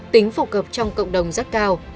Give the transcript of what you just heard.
tính phổ cập trong cộng đồng rất cao